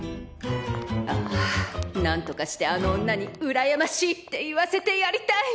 ああなんとかしてあの女に「うらやましい！」って言わせてやりたい。